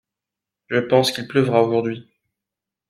Je pense qu’il pleuvra aujourd’hui.